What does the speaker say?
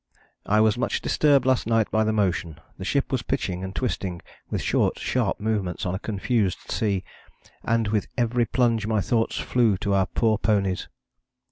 "I was much disturbed last night by the motion; the ship was pitching and twisting with short sharp movements on a confused sea, and with every plunge my thoughts flew to our poor ponies.